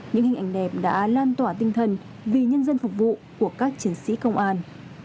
những hình ảnh đẹp đã lan tỏa tinh thần vì nhân dân phục vụ của các chiến sĩ công an